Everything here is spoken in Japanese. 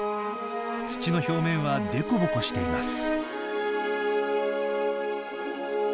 土の表面はでこぼこしています。